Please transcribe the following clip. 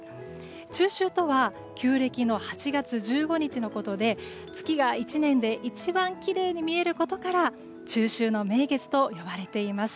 中秋とは旧暦の８月１５日のことで月が１年で一番きれいに見えることから中秋の名月と呼ばれています。